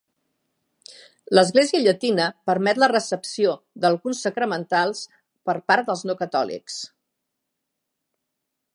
L'Església Llatina permet la recepció d'alguns sacramentals per part dels no catòlics.